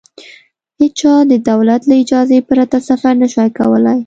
هېچا د دولت له اجازې پرته سفر نه شوای کولای.